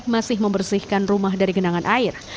masih membersihkan rumah dari genangan air